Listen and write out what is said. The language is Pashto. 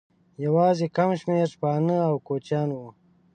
یوازې کم شمېر شپانه او کوچیان وو.